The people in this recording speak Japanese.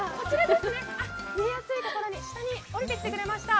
見やすいところ、下に降りてきてくれました。